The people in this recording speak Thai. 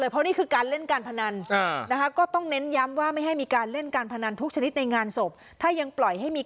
เพราะว่านี่คือการเล่นการพนันก็ต้องเน้นย้ำว่าไม่ให้มีการำเล่นพนันทุกชนิดในงานศพ